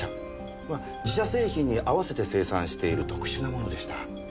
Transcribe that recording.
自社製品に合わせて生産している特殊なものでした。